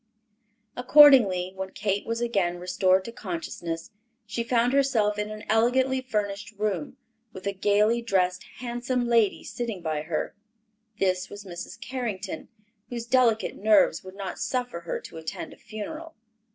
Accordingly, when Kate was again restored to consciousness, she found herself in an elegantly furnished room, with a gaily dressed, handsome lady sitting by her. This was Mrs. Carrington, whose delicate nerves would not suffer her to attend a funeral.